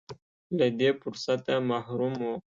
له دې فرصته محروم و.